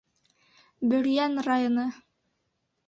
Бөрйән районы.